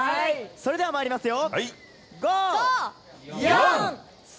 それではまいりますよ。